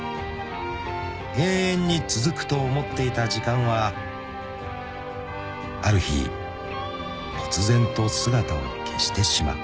［永遠に続くと思っていた時間はある日こつぜんと姿を消してしまう］